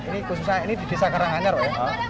ini khususnya ini di desa karanganyar ya